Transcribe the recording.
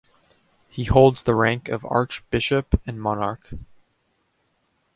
He holds the rank of archbishop and monarch.